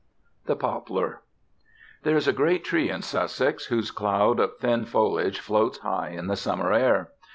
THE POPLAR There is a great tree in Sussex, whose cloud of thin foliage floats high in the summer air.